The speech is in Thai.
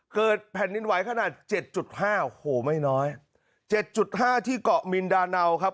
เกิดแผ่นดินไหวขนาด๗๕โอ้โหไม่น้อย๗๕ที่เกาะมินดาเนาครับ